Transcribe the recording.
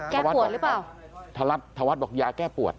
แก้ปวดหรือเปล่าถวัสถวัสบอกยาแก้ปวด